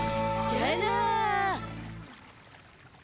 じゃあな！